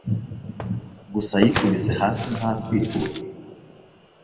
Gusa yikubise hasi nta kwihuta